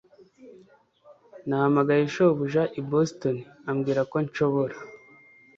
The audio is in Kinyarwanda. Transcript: Nahamagaye shobuja i Boston ambwira ko nshobora